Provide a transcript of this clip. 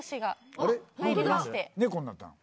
猫になったの？